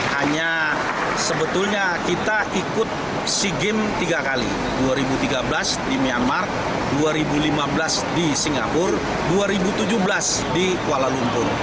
hanya sebetulnya kita ikut sea games tiga kali dua ribu tiga belas di myanmar dua ribu lima belas di singapura dua ribu tujuh belas di kuala lumpur